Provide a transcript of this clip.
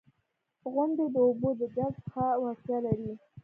• غونډۍ د اوبو د جذب ښه وړتیا لري.